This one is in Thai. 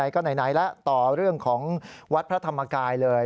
ก็ไหนแล้วต่อเรื่องของวัดพระธรรมกายเลย